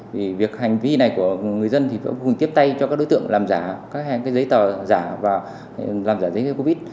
vì việc hành vi này của người dân thì hãy cùng tiếp tay cho các đối tượng làm giả các giấy tờ giả và làm giả giấy covid